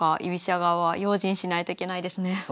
居飛車側は用心しないといけないですね。